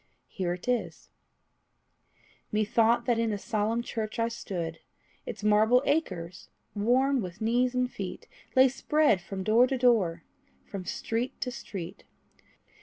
Here it is: Methought that in a solemn church I stood. Its marble acres, worn with knees and feet, Lay spread from, door to door, from street to street.